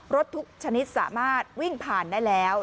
รถทุกชนิดสามารถวิ่งผ่านได้แล้ว